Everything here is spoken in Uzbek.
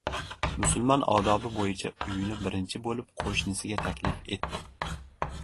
Musulmon odobi boʻyicha uyini birinchi boʻlib qoʻshnisiga taklif etdi.